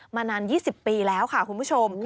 มานาน๒๐ปีแล้วค่ะคุณผู้ชม